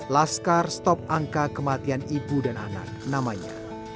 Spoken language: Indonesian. laskar stop angka kematian ibu dan anak namanya